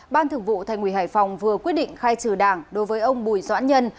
ban thực vụ thành ủy hải phòng vừa quyết định khai trừ đảng đối với ông bùi doãn nhân